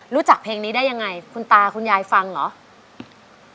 รู้จักเพลงนี้ได้ยังไงคุณตาคุณยายฟังเหรอ